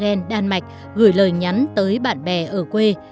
ở copenhagen đan mạch gửi lời nhắn tới bạn bè ở quê